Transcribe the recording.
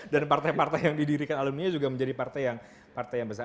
dan partai partai yang didirikan alumninya juga menjadi partai yang besar